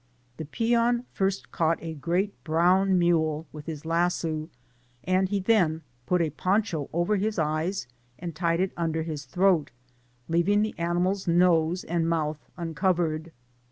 The peon first caught a great brown mule with his lasso, and he then put a poncho over his eyes, and tied it under his throat, leaving the animal'^s nose and mouth uncovered.